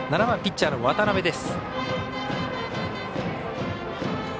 ７番ピッチャーの渡邊。